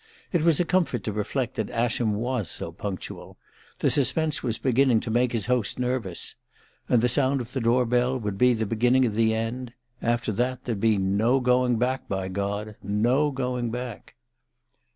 It was a comfort to reflect that Ascham was so punctual the suspense was beginning to make his host nervous. And the sound of the door bell would be the beginning of the end after that there'd be no going back, by God no going back!